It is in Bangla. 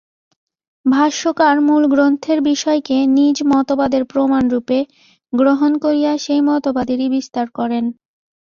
ভাষ্যকার মূল গ্রন্থের বিষয়কে নিজ মতবাদের প্রমাণরূপে গ্রহণ করিয়া সেই মতবাদেরই বিস্তার করেন।